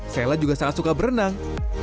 sela juga sangat suka berenang